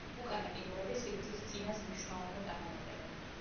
უკანა კიდურები სიგრძით წინას მნიშვნელოვნად აღემატება.